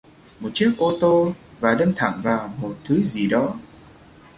Một chiếc ô tô và đâm thẳng vào một thứ gì đó